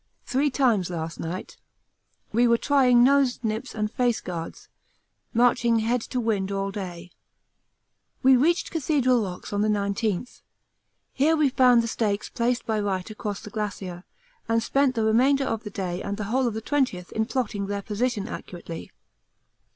three times last night. We were trying nose nips and face guards, marching head to wind all day. We reached Cathedral Rocks on the 19th. Here we found the stakes placed by Wright across the glacier, and spent the remainder of the day and the whole of the 20th in plotting their position accurately.